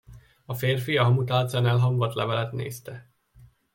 A férfi a hamutálcán elhamvadt levelet nézte.